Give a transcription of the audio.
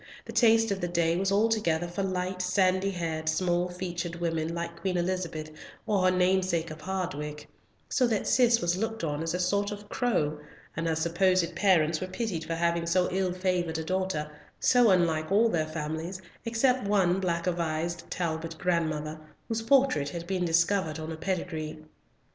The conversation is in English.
The taste of the day was altogether for light, sandy haired, small featured women, like Queen Elizabeth or her namesake of Hardwicke, so that Cis was looked on as a sort of crow, and her supposed parents were pitied for having so ill favoured a daughter, so unlike all their families, except one black a vised Talbot grandmother, whose portrait had been discovered on a pedigree.